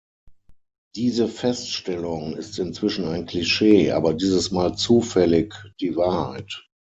Diese Feststellung ist inzwischen ein Klischee, aber dieses Mal zufällig die Wahrheit.